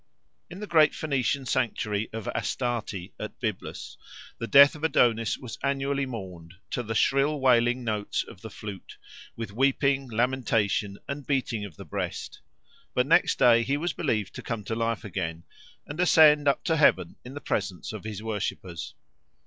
In the great Phoenician sanctuary of Astarte at Byblus the death of Adonis was annually mourned, to the shrill wailing notes of the flute, with weeping, lamentation, and beating of the breast; but next day he was believed to come to life again and ascend up to heaven in the presence of his worshippers.